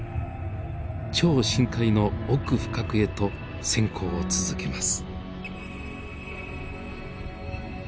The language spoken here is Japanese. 超深海の奥深くへと潜航を続けます。